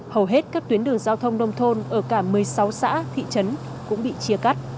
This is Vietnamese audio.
hầu hết các tuyến đường giao thông nông thôn ở cả một mươi sáu xã thị trấn cũng bị chia cắt